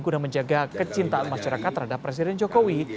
guna menjaga kecintaan masyarakat terhadap presiden jokowi